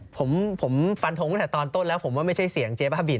ผมฟันทงตั้งแต่ตอนต้นแล้วผมว่าไม่ใช่เสียงเจ๊บ้าบิน